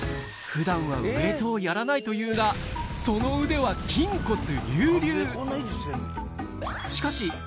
ふだんはウエートをやらないというが、その腕は筋骨隆々。